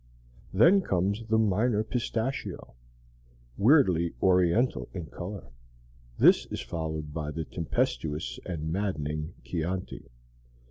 Then comes the minor Pistachio, weirdly oriental in color. This is followed by the tempestuous and maddening Chianti.